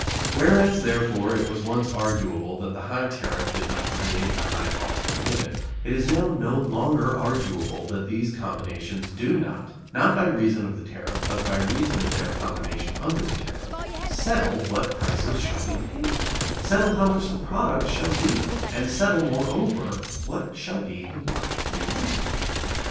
Whereas, therefore, it was once arguable that the high tariff did not create the high cost of living, it is now no longer arguable that these combinations do not, not by reason of the tariff, but by reason of their combination under the tariff, settle what prices shall be paid; settle how much the product shall be; and settle, moreover, what shall be the market for labor.